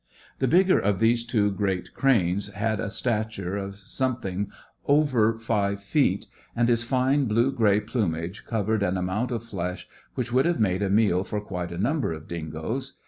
The bigger of these two great cranes had a stature of something over five feet, and his fine blue grey plumage covered an amount of flesh which would have made a meal for quite a number of dingoes.